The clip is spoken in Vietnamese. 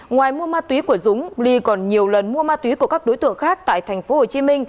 ngoài mua ma túy của dũng ly còn nhiều lần mua ma túy của các đối tượng khác tại tp hcm